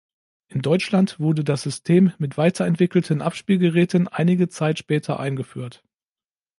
In Deutschland wurde das System mit weiterentwickelten Abspielgeräten einige Zeit später eingeführt.